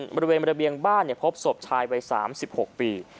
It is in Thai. บริเวณระเบียงบ้านพบศพชายวัย๓๖ปี